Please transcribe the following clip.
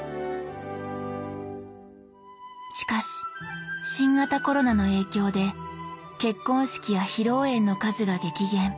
しかし新型コロナの影響で結婚式や披露宴の数が激減。